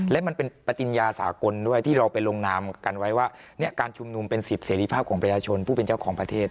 และมันเป็นปฏิญญาสากลด้วยที่เราไปลงนามกันไว้ว่าการชุมนุมเป็นสิทธิเสรีภาพของประชาชนผู้เป็นเจ้าของประเทศ